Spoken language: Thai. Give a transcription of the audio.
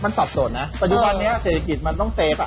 มันสับสนนะปัจจุบันนี้เศรษฐกิจมันต้องเฟฟอ่ะ